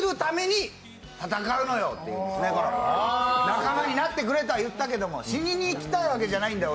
仲間になってくれとは言ったけども、死にに行きたいわけじゃないんだ